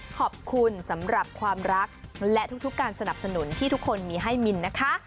ขอบคุณสำหรับความรักและทุกการสนับสนุนที่ทุกคนมีให้มินนะคะ